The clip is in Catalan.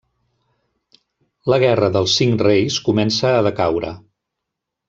La Guerra dels Cinc Reis comença a decaure.